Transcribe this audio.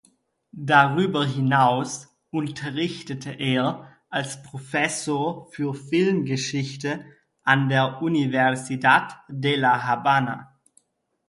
Darüber hinaus unterrichtete er als Professor für Filmgeschichte an der Universidad de la Habana.